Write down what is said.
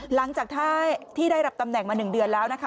หลังจากที่ได้รับตำแหน่งมา๑เดือนแล้วนะคะ